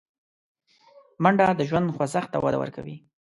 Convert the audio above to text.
منډه د ژوند خوځښت ته وده ورکوي